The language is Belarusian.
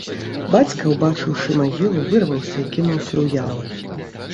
Бацька, убачыўшы магілу, вырваўся і кінуўся ў яму.